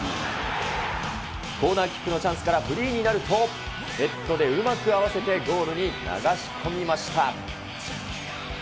コーナーキックのチャンスからフリーになると、ヘッドでうまく合わせて、ゴールに流し込みました。